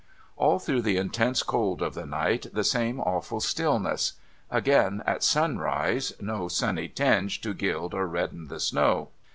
All through the intense cold of the night, the same awful stillness. Again at sunrise, no sunny tinge to gild or redden the snow.